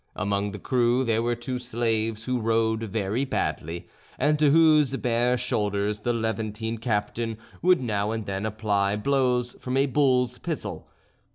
Among the crew there were two slaves who rowed very badly, and to whose bare shoulders the Levantine captain would now and then apply blows from a bull's pizzle.